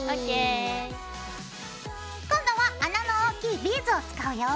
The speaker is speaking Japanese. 今度は穴の大きいビーズを使うよ。